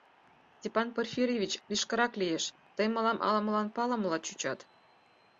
— Степан Порфирьевич лишкырак лиеш, — Тый мылам ала-молан палымыла чучат.